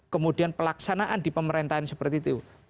kemudian pelaksanaan di pemerintahan seperti itu